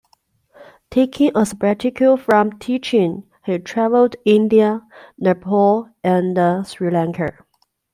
Taking a sabbatical from teaching, he travelled India, Nepal, and Sri Lanka.